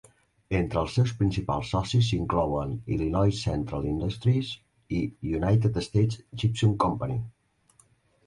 Entre els seus principals socis s'inclouen Illinois Central Industries i United States Gypsum Company.